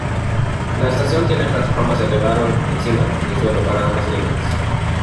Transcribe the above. La estación tiene plataformas elevaron encima del suelo para ambas líneas.